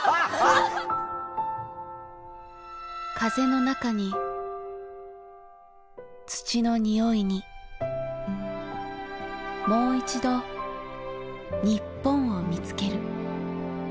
風の中に土のにおいにもう一度、日本を見つける。